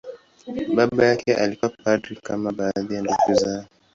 Baba yake alikuwa padri, kama baadhi ya ndugu zao.